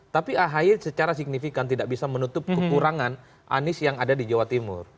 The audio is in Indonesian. tapi ahy secara signifikan tidak bisa menutup kekurangan anies yang ada di jawa timur